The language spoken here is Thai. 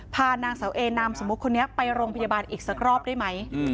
นางเสาเอนามสมมุติคนนี้ไปโรงพยาบาลอีกสักรอบได้ไหม